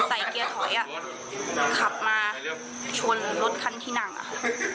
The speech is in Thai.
เกียร์ถอยอ่ะขับมาชนรถคันที่นั่งอะค่ะ